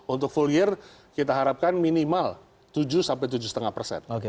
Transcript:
untuk full year kita harapkan minimal tujuh tujuh lima persen